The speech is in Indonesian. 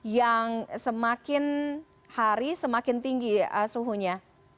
yang semakin hari semakin tinggi suhunya